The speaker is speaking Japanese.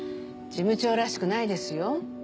事務長らしくないですよ。